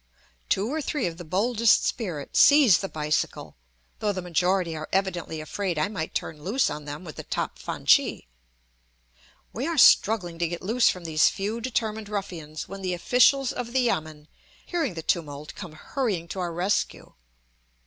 Two or three of the boldest spirits seize the bicycle, though the majority are evidently afraid I might turn loose on them with the top fanchee. We are struggling to get loose from these few determined ruffians when the officials of the yamen, hearing the tumult, come hurrying to our rescue.